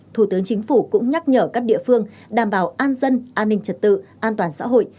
thủ tướng chính phủ cũng nhắc nhở các địa phương đảm bảo an dân an ninh trật tự an toàn xã hội